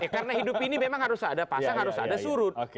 karena hidup ini memang harus ada pasang harus ada surut